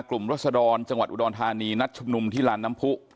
รัศดรจังหวัดอุดรธานีนัดชุมนุมที่ลานน้ำผู้